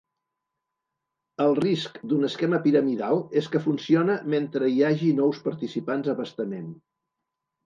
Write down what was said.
El risc d'un esquema piramidal és que funciona mentre hi hagi nous participants a bastament.